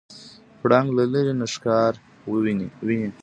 پړانګ له لرې نه ښکار ویني.